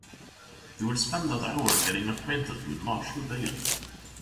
You will spend that hour getting acquainted with Marshall Bailey.